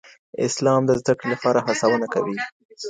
اسلام د زده کړې لپاره هڅونه کوي.